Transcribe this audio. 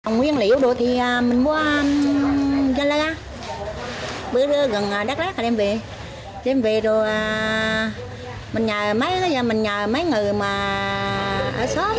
nguyên liệu đồ thì mình mua ở gia lai gần đắk lát là đem về